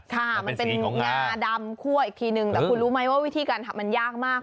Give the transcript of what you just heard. ค่ะมันเป็นงาดำคั่วอีกทีนึงแต่คุณรู้ไหมว่าวิธีการทำมันยากมาก